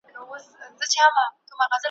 د مرګ په خوب به چېرته ویده یم ,